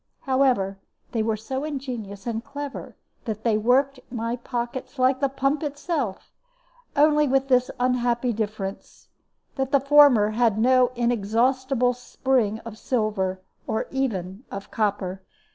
However, they were so ingenious and clever that they worked my pockets like the pump itself, only with this unhappy difference, that the former had no inexhaustible spring of silver, or even of copper.